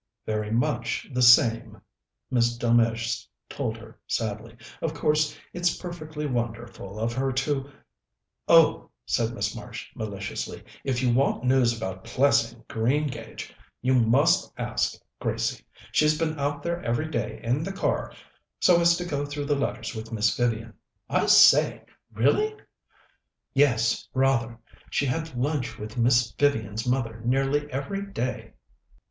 "Very much the same," Miss Delmege told her sadly. "Of course, it's perfectly wonderful of her to " "Oh," said Miss Marsh maliciously, "if you want news about Plessing, Greengage, you must ask Gracie. She's been out there every day in the car, so as to go through the letters with Miss Vivian." "I say! Really?" "Yes, rather. She had lunch with Miss Vivian's mother nearly every day."